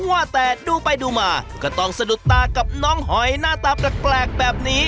ว่าแต่ดูไปดูมาก็ต้องสะดุดตากับน้องหอยหน้าตาแปลกแบบนี้